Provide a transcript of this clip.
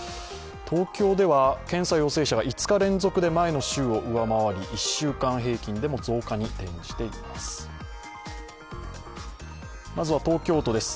東京では検査陽性者が５日連続で前の週を上回り１週間平均でも増加に転じています